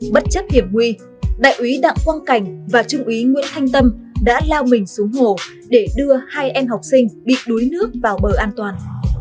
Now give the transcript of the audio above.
bất chấp hiểm nguy đại úy đặng quang cảnh và trung úy nguyễn thanh tâm đã lao mình xuống hồ để đưa hai em học sinh bị đuối nước vào bờ an toàn